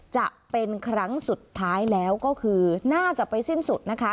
จะเป็นครั้งสุดท้ายแล้วก็คือน่าจะไปสิ้นสุดนะคะ